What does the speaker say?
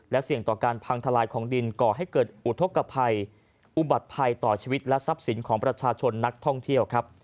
เสี่ยงต่อการพังทลายของดินก่อให้เกิดอุทธกภัยอุบัติภัยต่อชีวิตและทรัพย์สินของประชาชนนักท่องเที่ยวครับ